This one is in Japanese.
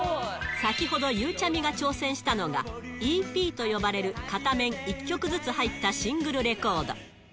先ほどゆうちゃみが挑戦したのが、ＥＰと呼ばれる片面１曲ずつ入ったシングルレコード。